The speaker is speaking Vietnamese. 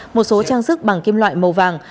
một số trang sức bằng kim loại màu vàng